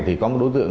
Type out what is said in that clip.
thì có một đối tượng